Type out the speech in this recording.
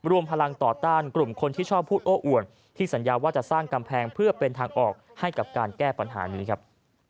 รวมพลังต่อต้านกลุ่มคนที่ชอบพูดโอ้อ่วนที่สัญญาว่าจะสร้างกำแพงเพื่อเป็นทางออกให้กับการแก้ปัญหานี้ครับ